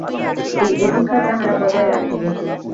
এই অধিকার তাঁহারা বজায় রাখেন।